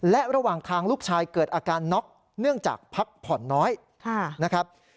และระหว่างทางลูกชายเกิดอาการน็อกเนื่องจากพักผ่อนน้อยนะครับ